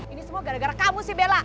ini semua gara gara kamu sih bella